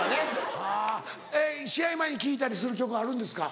はぁえっ試合前に聴いたりする曲あるんですか？